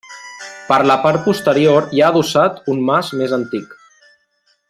Per la part posterior hi ha adossat un mas més antic.